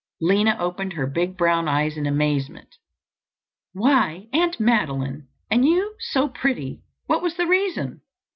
Lina opened her big brown eyes in amazement. "Why, Aunt Madeline! And you so pretty! What was the reason?"